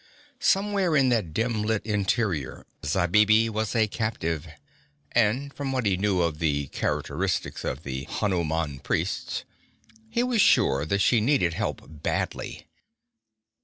Somewhere in that dim lit interior Zabibi was a captive, and, from what he knew of the characteristics of Hanuman's priests, he was sure that she needed help badly.